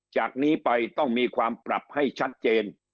จากนี้ไปต้องมีความปรับให้ชัดเจน